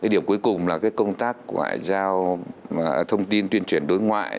điểm cuối cùng là công tác của ngoại giao thông tin tuyên truyền đối ngoại